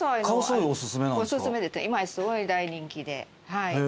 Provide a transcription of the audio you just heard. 今すごい大人気で。